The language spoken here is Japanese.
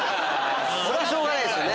それはしょうがないですよね。